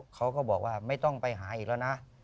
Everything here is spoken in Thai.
เขาก็บอกว่าไม่ต้องไปหาอีกแล้วนะ